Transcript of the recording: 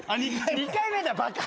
２回目だバカ。